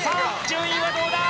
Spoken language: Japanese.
順位はどうだ？